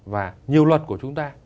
và nhiều luật của chúng ta